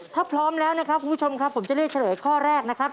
ถ้าพร้อมแล้วนะครับคุณผู้ชมครับผมจะเลือกเฉลยข้อแรกนะครับ